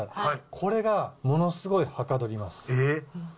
これがものすごいはかどります。